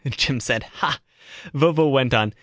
Jim said, "Ha!" Vovo went on.